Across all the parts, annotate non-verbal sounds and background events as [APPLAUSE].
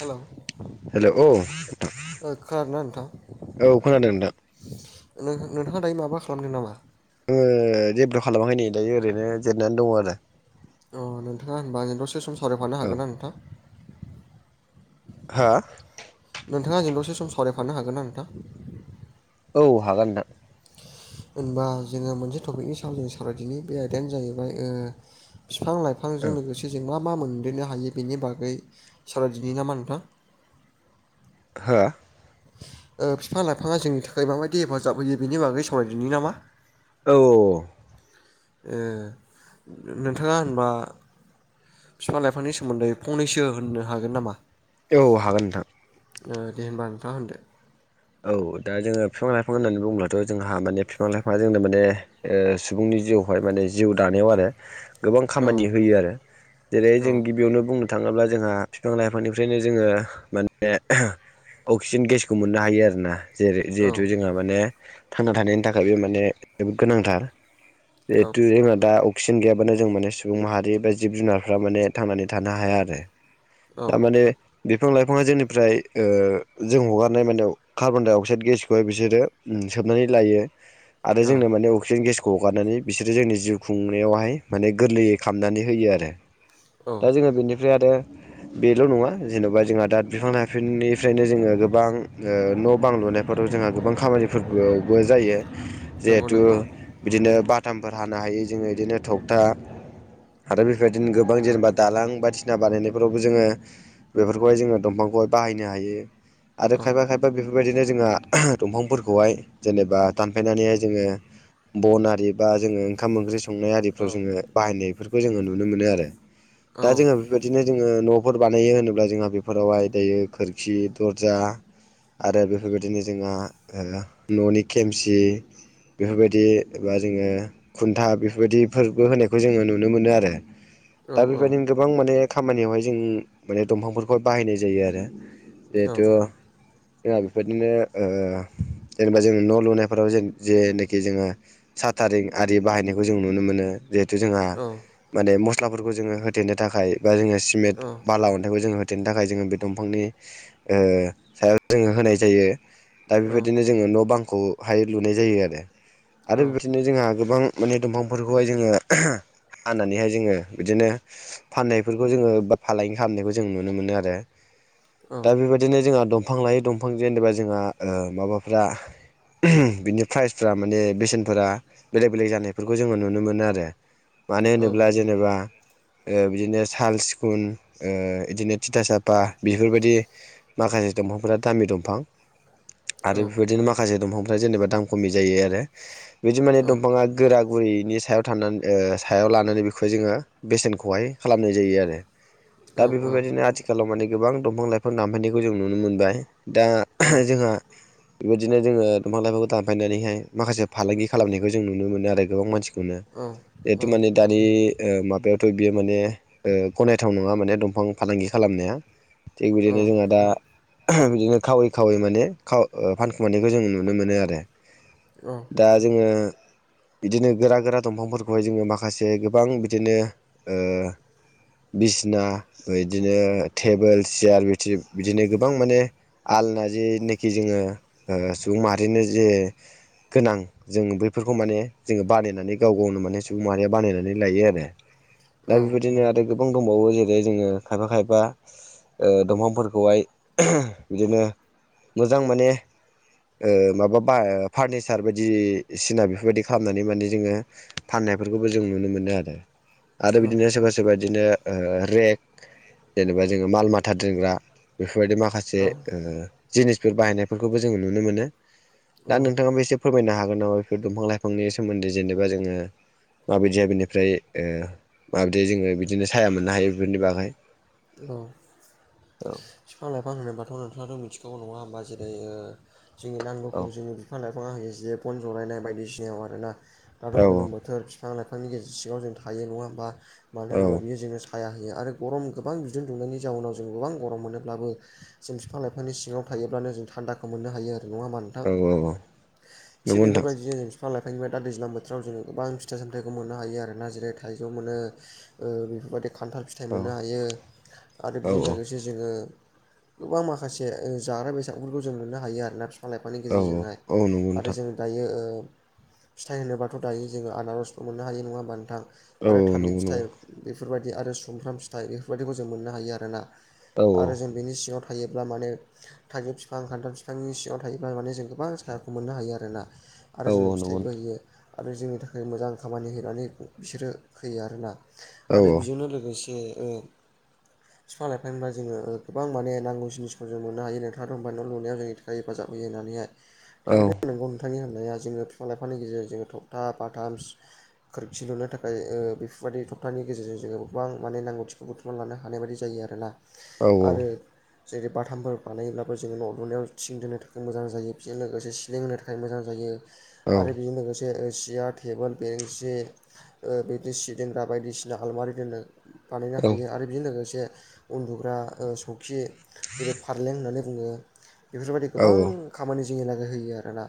Hello hello औ नोंथां ओ औ खोनादों नोंथां नोंथाङा दायो माबा खालामगोन नामा? ओ जेबो खालामाखै नै दायो ओरैनो जिरनानै दङ आरो अ नोंथाङा होनबा दसे सम सावरायफानो औ हागोन ना नोंथां? हा नोंथाङा आंजों द'से सम सावरायफानो हागोन ना नोंथां औ हागोन नोंथां होनबा जोङो मोनसे टपिकनि सायाव जों सावरायदिनि बे आयदायानो जाहैबाय ओ बिफां लाइफांजों लोगोसे जों मा मा मोनदेरनो हायो बेनि बागै साराय दिनि नामा नोंथां? हा बिफां लाइफाङा जोंनि थाखाय माबायदि हेफाजाब होयो बेनि बागै सावरायदिनि नामा? औ ओ नोंथाङा होनबा बिफां लाइफांनि सोमोन्दै फंनैसो होननो हागोन नामा? औ हागोन नोंथां ओ दे होनबा नोंथां होनदो औ दा जोङो बिफां लाइफां होननानै बुङोब्लाथ' जोंहा माने बिफां लाइफाङा जोंनो माने ओ सुबुंनि जिउहाय माने जिउ दानायाव आरो गोबां औ खामानि होयो आरो जेरै औ जों गिबियावनो बुंनो थाङोब्ला जोंहा बिफां लाइफांनिफ्रायनो जोङो माने अक्सिजेन गेसखौ मोननो हायो आरोना जेरै औ जिहेथु जोंहा माने थांना थानायनि थाखाय माने जोबोद गोनांथार औ जिहेथ जोंहा दा अक्सिजेन गैयाबानो जों माने सुबुं माहारि एबा जिब जुनारफ्रा माने थांनानै थानो हाया आरो। औ थारमाने बिफां लाइफाङा जोंनिफ्राय ओ जों हगारनाय मानाव कार्बन दडाइ अक्साइड गेसखौहाय बिसोरो सोबनानै लायो आरो औ जोंनो माने अक्सिजेन गेस खौ हगारनानै बिसोरो जोंनि जिउ खुंनायावहाय माने गोरलैयै खालामनानै होयो आरो औ दा जोङो बेनिफ्राय आरो बेल' नङा जेन'बा जोंहा दाद बिफां लाइफिनिफ्रायनो जोङो गोबां न' बां लुनायफोराव जोंहा गोबां खामानिफोरबो जायो नंगौ जिहेथु नंगौ बिदिनो बाथामफोर हानो हायो जोङो बिदिनो थगथा आरो बेफोरबायदिनो गोबां जेनेबा दालां बायदिसिना बानायनायफोरावबो जोङो बेफोरखौहाय जोङो दंफांखौहाय बाहायनो हायो। आरो औ खायफा खायफा बेफोरबायदिनो जोङो दंफांफोरखौहाय जेनेबा दानफायनानैहाय जोङो बन आरि बा जोङो ओंखाम ओंख्रि संनाय औ आरिफ्राव जोङो बाहायनायफोरखौ जोङो नुनो मोनो आरो औ दा जोङो बेबायदिनो जोङो न'फोर बानायो होनोब्ला जोंहा बेफोरावहाय दायो खोरखि दरजा आरो बेफोरबायदिनो जोंहा न'नि खेमसि बेफोरबायदि एबा जोङो खुन्था बेफोरबायदि फोरबो होनायखौ जोङो नुनो मोनो आरो औ दा बेबायदिनो गोबां माने खामानियावहाय जों माने दंफांफोरखौहाय बाहायनाय जायो आरो जेहथु जोंहा बेफोरदिनो जेनेबा जों न' लुनायफोराव ज जेनोखि जोङो साथारिं आरि बाहायनायखौ जों नुनो मोनो। जिहेथु जोंहा माने मस्लाफोरखौ जोङो होथेनो थाखाय बा जोङो सिमेन्ट बाला अन खौ जोङो होथेनो थाखाय जोङो बे दंफांनि सायाव जोङो होनाय जायो। दा बेबायदिनो जोङो न' बांखौहाय लुनाय जायो आरो आरो बेबायदिनो जोंहा गोबां माने दंफांफोरखौहाय जोङो हानानैहाय जोङो बिदिनो फाननायफोरखौ जोङो बा फालांगि खालामनायखौ जों नुनो मोनो आरो। औ दा बेबायदिनो जोंहा दंफां लायो दंफां ज जेनेबा जोंहा माबाफ्रा बिनि प्राइसफोरा माने बेसेनफोरा बेले बेले जानायफोरखौ जोङो नुनो मोनो आरो। मानो होनोब्ला जेनेबा ओ बिदिनो साल्स सिगुन बिदिनो थिथा साफा बेफोरबायदि माखासे दंफांफोरा दामि दंफां आरो बेबायदिनो माखासे माखासे दंफांफ्रा जेनेबा दाम खमि जायो आरो बिदि माने दंफाङा गोरा गुरैनि सायाव थानानै सायाव लानानै बेखौ जोङो बेसेनखौहाय खालामनाय जायो आरो। दा औ बेफोरबायदिनो आथिखालाव माने गोबां दंफां लाइफां दानफैनायखौ जों नुनो मोनबाय। दा जोंहा बेबायदिनो जोङो दंफां लाइफांखौ दानफायनानैहाय माखासे फालांगि खालामनायखौ जों नुनो मोनो आरो गोबां मानसि बेखौनो जिहेथु माने दानि माबायावथ' बियो माने ओ गनायथाव नङा माने दंफां फालांगि खालामनाया थिग बिदिनो जोंहा दा बिदिनो खावै खावै माने खाव फानखुमानायखौ जों नुनो मोनो आरो औ दा जोङो बिदिनो गोरा गोरा दंफांफोरखौहाय जोङो माखासे गोबां बिदिनो ओ बिसिना बिदिनो टेबोल सियार बि बिदिनो गोबां माने आलना जेनोखि जोङो ओ सुबुं माहारिनो जे गोनां जों बैफोरखौ माने जोङो बानायनानै गाव गावनो माने सुबुं माहारिया बानायनानै लायो आरो दा बेबायदिनो आरो गोबां दंबावो जेरै जोङो खायफा खायफा ओ दंफां फोरखौहाय बिदिनो मोजां माने ओ माबा बा फारनिसार बायदि इसिना बेफोरबायदि खालामनानै माने जोङो फाननायफोरखौबो जों नुनो मोनो आरो आरो बिदिनो सोरबा सोरबा बिदिनो ओ रेक जेनेबा जोङो माल माथा दोनग्रा बेबायदि माखासेनि ओ जिनिसफोर बाहायनायफोरखौबो जों नुनो मोन दा नोंथाङा बे फोरमायनो हागोन नामा बेफोर दंफां लाइफांनि सोमोन्दै जेनेबा जोङो माबायदिया बेनिफ्राय ओ माबायदि जोङो बिदिनो साया मोननो हायो बेफोरनि बागै औ औ बिफां लाइफां होनोब्लाथ' नोंथाङाथ' मिथिखागौ नङा होमबा जेरै ओ जोंनि औ नांगौखौ जोङो बिफां लाइफां बिफाङा होयो जे फन जलायनाय बायदिसिनायाव आरो ना दाथ' औ गोलोम बोथोर बिफां लाइफांनि गेजेर सिङाव जों थायो नङा होमबा मानो औ होनोब्ला बियो जों साया होयो आरो गरम गोबां बिदुं दुंनायनि जाउनाव जों गोबां गरम मोनोब्लाबो जों बिफां लाइफांनि सिङाव थायोब्लानो जों थान्दाखौ मोननो हायो आरो नङा होनबा नों थां औ औ औ थिग नंगौ नोंथां बेफोरबायदिनो फां लाायफांनिबाय दा दैज्लां बोथोराव जोङो गोबां फिाइ सामथायखौ मोननो हायो आरोना जेरै थाइजौ मोनो। ओ बेफोरबायाददि खान्थाल फिथाइ औ मोननो हायो आरो औ बेजों लोगोसे जे जोङो गोबां माखासे ओ जाग्रा बेसादफोरखौ जों नुनो हायो आरोना फि फां लाइफांनि औ गेजेरजोंहाय औ नंगौ आरो नोंथां जों दायो ओ फिथाइ होनोबाथ' दायो जोङो आनारसबो मोननो हायो नङा होमबा नोंथां? औ आरो थालिद नंगौ फिथाइ नंगौ बेफोरबादि आरो सुमफ्राम फिथाइ बइफोरबादिखौ जों मोननो हायो आरोना। औ आरो जों बिनि सिङाव थायोब्ला माने थाइजौ फिफां खान्थाल फिफांनि सिङाव थायोब्ला माने जों गोबां सायाखौ मोननो हायो आरोना। आरो औ जोंनो नंगौ फिथाइबो होयो आरो जोंनि थाखाय मोजां खामानि होनानै बिसोरो होयो आरोना। औ आरो बिजोंनो लोगोसे ओ फिफां लाफांनिबा जोङो ओ गोबां माने नांगौ जिनिसफोर जों मोननो हायो नोंथाङाथ' बुंबाय न' लुनायाव जोंनि हाय हेफाजाब होयो होननानैहाय औ थारैनो नंगौ नों थांनि होननाया जोङो फिफां लाइफांनि गेजेरजों जोङो थखथा बाथाम खोरखि लुनो थाखाय ओ बेफोरबादि थपथानि गेजेरजों जोङो गोबां माने नांगौथि बुथुमना लानो हानाय बादि जायो आरोना औ आरो जेरै बाथामफोर बानायोब्लाबो जोङो न' लुनायाव थिं दोनो थाखाय मोजां जायो बिजो लोगोसे सिलिं होनो थाख खाय मोजां जायो औ आरो बेजों लोगोसे सियार टेबोल बेरेंसि ओ बेदि सि दोनग्रा बायदिसिना हालमारि दोननो बानाय थायो आरो बेजों लोगोसे उन्दुग्रा ओ सौखि जेरै फारलें होननानै बुङो बेफोरबायदि गोबां खामानि जोंनि लागै होयो आरोना।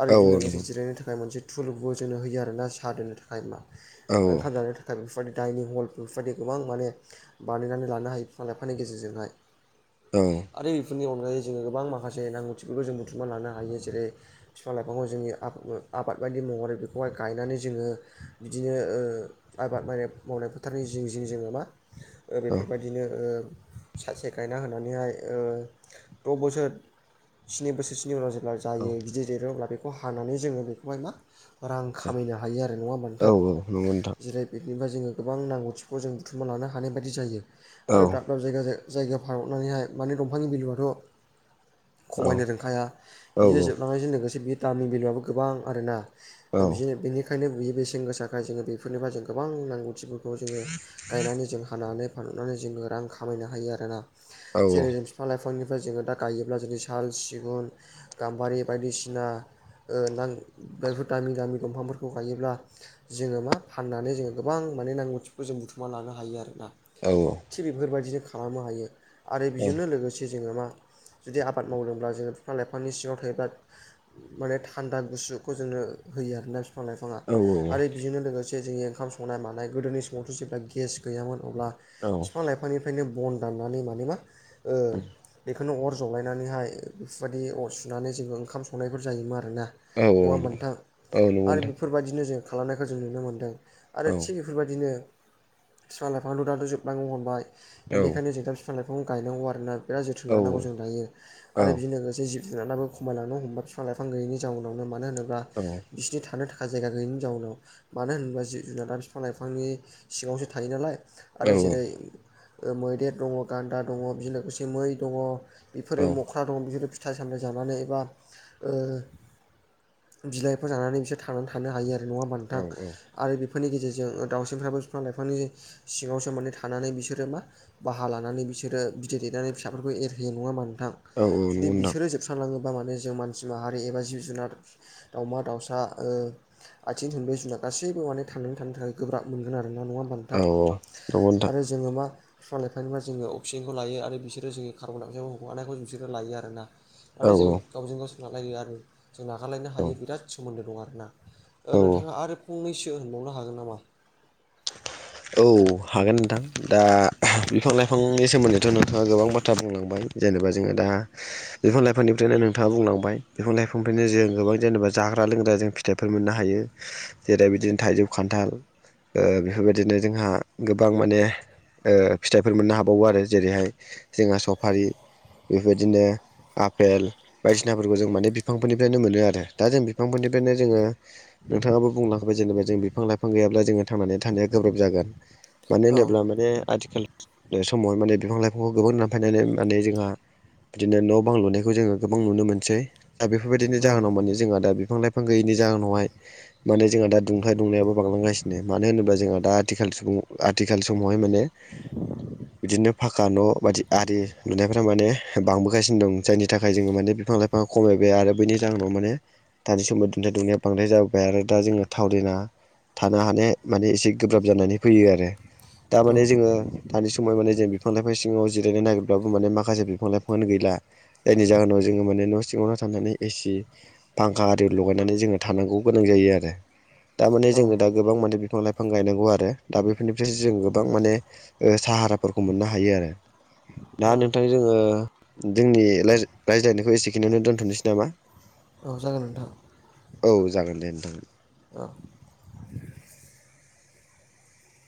आरो दि लोगोसे नंगौ जिरायनो थाखाय मोनसे थुलबो जोंनो होयो आरोना सा दोननो थाखाय मा औ ओंखाम जानो थाख आरो बेफोबादि डाइनिं हल बेफोबायदि गोबां माने बानायनानै लानो हायो बिफां लाइफांनि गेजेरजोंहाय। औ आरो बेफोरनि अनगायै जोङो गोबां माखासे नांगौथिखौबो जों बुथुमनानै लानो हायो जेरै फिफां लाइफांखौ जोंनि आफ ओ आबाद बायदि महरै बेखौहाय गायनानै जोङो बिदिनो ओ आबाद माने मावनाय फोथारनि जिं जिं जोङो मा ओ औ बेफोरबायदिनो ओ सासे गायना होनानैहाय ओ द' बोसोर स्नि बोसोरसोनि उनाव जों ब्ला औ जायो गिदिर देरो अब्ला बेखौ हानानै जोङो बेखौहाय मा रां खामायनो हायो आरो नङा होमबा औ नोंथां नंगौ नोंथां जिरै बिनिफाय जोङो गोबां नांगौथिखौ जों बुथुमना लानो हानाय बायदि जायो औ आरो दा दाब जायगा जाय-जायगा फानहरनानैहाय माने दंफांनि बेलुआथ' औ खमायनो रोंखाया औ बियो जोबलांनायजों लोगोसे बियो दामनि भेलुआबो गोबां आरोना। ओ बिदिनो बेनिखायनो बियो बेसेन गोसााखाय जोङो बेफोरनिफाय जों गोबां नांगौथिफोर खौ जोङो गायनानै जों हानानै फानहरनानै जोङो रां खामायनो हायो आरोना जेरै जों फां लाइफांनिफाय जोङो दा गायोब्ला जोंनि साल सिगुन गाम्बारि बायदिसिना ओ नां बेफोर दामि दामि दंफांफोरखौ गायोब्ला जोङो मा फाननानै जोङो गोबां माने नांगौथिखौ जों बुथुमना लानो हायो आरोना। औ औ। थिग बेफोरबायदिनो खालामनो हायो आरो बिजोंनो लोगोसे जोङो मा जुदि आबाद मावदोंब्ला जोङो फिफां लाइफांनि सिङाव थायोब्ला माने थान्दा गुसुखौ जोंनो होयो आरोना फि फां लाइफाङा आरो बिजोंनो लोगोसे जोंनि ओंखाम संनाय मानाय गोदोनि समावथ' जेब्ला गेस गैयामोन अब्ला औ नंगौ नोंथां फिफां लाइफांनिफ्रायनो बन दाननानै मानोना [INAUDIBLE] खोनो अर जलायनानैहाय इफोरबायदि अर सुनानै जोङो ओंखाम संनायफोर जायोमोन आरोना। औ औ नङा होनबा नोंथां औ औ नंगौ नोंथां औ नंगौ नोंथां औ आरो बेफोरबायदिनो जों खालामनायखौ जों नुनो मोन्दों आरो थिग बेफोरबादिनो फिफां लाइफांआथ' दाथ' जोबलांनो हमबाय बेनिखायनो जों दा बिफां लाइफांखौ गायनांगौ आरोना। बिराद जोथोन लानांगौ जों दायो आरो बिजों लोगोसे जिब जुनादाबो खमायलांनो हमबाय फिफां लाइफां गैयैनि जाउनावनो मानो होनोब्ला बिसिनि थानो थाख खा जायगा गैयिनि जाउनाव मानो होनोब्ला जिब जुनारा फिफां लाइफांनि सिङावसो थायो नालाय। औ आरो जेरै मैदेर दङ गान्दा दङ बेजों लोगोसे मै दङ। औ बिफोरो [UNINTELLIGIBLE] [UNINTELLIGIBLE] बिसोरो फिथाइ सामथाइ जानानै एबा ओ बिलाइफोर जानानै बिसोर थांनानै थानो हायो आरो नङा होनबा नोंथा़ आरो बेफोरनि गेजेरजों दाउसिनफ्राबो बिफां लाइफांनि सिङावसो माने थानानै बिसोरो मा बाहा लानानै बिसोरो बिदै दैेनानै फिसाफोरखौ एरहैयो नङा होनबा नोंथां हागोन जुदि नोंथां बिसोरो जोब [UNINTELLIGIBLE] माने जों मानसि माहारि एबा जिब जुनार दाउमा दाउसा ओ आथिं थोंब्रै जुनाद गासैबो माने थांनानै थानो थाखाय गोब्राब मोनगोन आरो ना नङा होनबा नों औ औ नंगौ नोंथां। जोङो मा बिफां लाइफांनिफ्राय जोङो अक्सिजेनखौ लायो आरो बिसोरो जोंनि कार्बन डाइक्साइखौ हगारनायखौ बिसोरो लायो आरोना। माने जों गावजों गाव सोनारलायो आरो जों नागारलायनो हायै बिराद सोमोन्दो दं आरोना। नोंथाङा आरो फंनैसो होनबावनो हागोन नामा? औ हागोन नोंथां दा बिफां लाइफांनि सोमोन्दैथ' नोंथाङा गोबां खोथा बुंलांबाय जेनेबा जोङो दा बिफां लाइफांनिफ्रायनो नोंथाङा बुंलांबाय बिफां लाइफांनिफ्रायनो जों गोबां जेनेबा जाग्रा लोंग्रा जों [UNINTELLIGIBLE] मोननो हायो जेरै बिदिनो थाइजौ खान्थाल बेफोरबायदिनो जोंहा गोबां माने ओ फिथाइफोर मोननो हाबावो आरो जेरैहाय जोंहा सफारि बेबायदिनो आफेल बायदिसिनाफोरखौ जों माने बिफांफोरनिफ्रायनो मोनो आरो दा जों बिफांफोरनिफ्रायनो जोङो नोंथाङाबो बुंलांबाय जेनबा जों बिफां लाफां गैयाब्ला जोङो थांनानै थानाया गोब्राब जागोन मानो औ होनोब्ला माने आथिखाल बे समाव माने बिफां लाइफांखौ गोबां दानफायनानै माने जोंहा बिदिनो न' बां लुनायखौ जोङो गोबां नुनो मोनसै। दा बेफोरबायदिनि औ जाहोनाव माने जोंहा दा बिफां लाइफां गैयिनि जाहोनावहाय माने जोंहा दा दुंथाइ दुंनायाबो बांलांगासिनो मानो होनोबा जोंहा दा आथिखाल सुबुं आथिखाल समावहाय माने बिदिनो फाखा न' बायदि आरि लुनायफ्रा माने बांबोगासिनो दं जायनि थाखाय जोङो माने बिफां लाइफाङा खमायबाय आरो बेनि जाहोनाव माने दानि समाव दुंथाइ दुंनाया बांद्राय जाबोबाय आरो दा जोङो थावरिना थानो हानाय माने एसे गोब्राब जानानै फैयो आरो दा औ माने जोङो दानि समाव माने जों बिफां लाइफां सिङाव जिरायनो नागिरब्लाबो माने माखासे बिफां लाइफाङानो गैला। जायनि जाहोनाव जोङो माने न' सिङावनो थानानै ए सि फांखा आरि लगायनानै जोङो थानांगौ गोनां जायो आरो। दा माने औ जोङो दा गोबां माने बिफां लाइफां गायनांगौ आरो। दा बेफोरनिफ्रायसो जों गोबां माने साहाराफोरखौ मोननो हायो आरो। दा औ नोंथां जोङो जोंनि राय- रायज्लायनायखौ एसेखिनिआवनो दोन्थ'नोसै नामा? औ जागोन नोंथां औ जागोन दे नोंथां औ।